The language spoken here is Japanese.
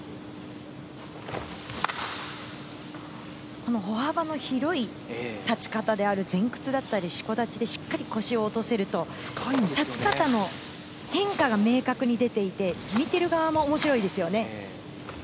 この歩幅の広い立ち方である前屈であったりしこ立ちでしっかり腰を落とせると立ち方も変化が明確に出ていて見てる側も面白いですよね。